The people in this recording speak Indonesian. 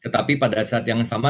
tetapi pada saat yang sama